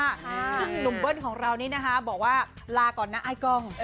ซึ่งหนุ่มเบิ้ลของเรานี่นะคะบอกว่าลาก่อนนะไอ้กล้อง